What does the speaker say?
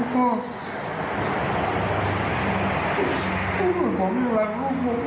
แค่ลูกฮอล์